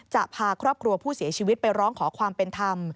จะพาครอบครัวผู้เสียชีวิตไปร้องขอความเป็นธรรม